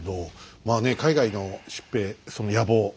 まあね海外の出兵その野望